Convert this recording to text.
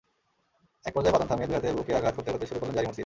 একপর্যায়ে বাদন থামিয়ে দুই হাতে বুকে আঘাত করতে করতে শুরু করলেন জারি-মর্সিয়া।